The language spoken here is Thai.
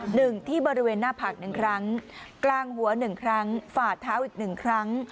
หนึ่งที่บริเวณหน้าผัก๑ครั้งกลางหัว๑ครั้งฝาดเท้าอีก๑ครั้ง